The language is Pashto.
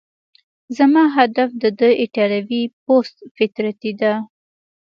زما هدف د ده ایټالوي پست فطرتي ده.